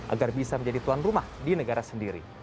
agar bisa menjadi tuan rumah di negara sendiri